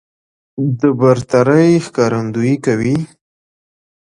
د برترۍ ښکارندويي کوي